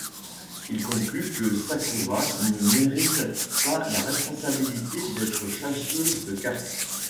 Il conclut que Sakura ne mérite pas la responsabilité d'être chasseuse de cartes.